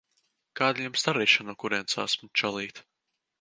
Kāda Jums darīšana no kurienes esmu, čalīt?